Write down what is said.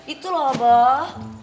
itu loh abah